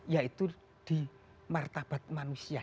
ya itu di martabat manusia